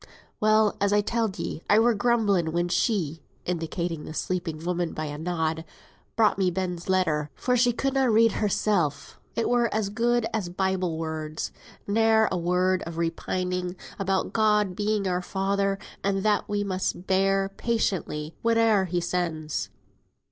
Well, as I telled ye, I were grumbling, when she (indicating the sleeping woman by a nod) brought me Ben's letter, for she could na read hersel. It were as good as Bible words; ne'er a word o' repining; a' about God being our Father, and that we mun bear patiently whate'er He sends."